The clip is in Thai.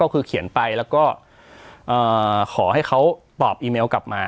คือเขียนไปแล้วก็ขอให้เขาตอบอีเมลกลับมา